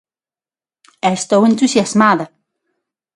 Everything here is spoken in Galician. Estou entusiasmada.